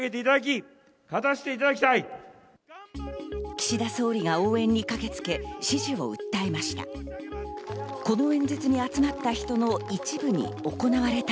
岸田総理が応援に駆けつけ支持を訴えました。